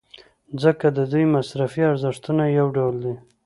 ځکه د دوی مصرفي ارزښتونه یو ډول دي.